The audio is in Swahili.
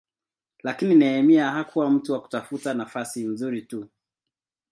Lakini Nehemia hakuwa mtu wa kutafuta nafasi nzuri tu.